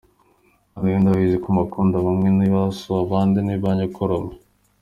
Bavandimwe ndabizi ko mubakunda bamwe ni ba So, abandi ni ba nyokorome,.